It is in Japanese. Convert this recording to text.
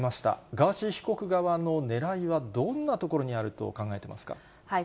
ガーシー被告側のねらいはどんなところにあると考えてますか。